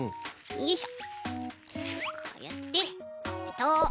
よいしょ。